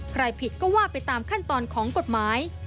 ผิดก็ว่าไปตามขั้นตอนของกฎหมาย